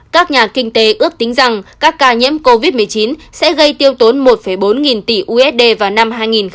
các nhà kinh tế ước tính rằng các ca nhiễm covid một mươi chín sẽ gây tiêu tốn một bốn nghìn tỷ usd vào năm hai nghìn hai mươi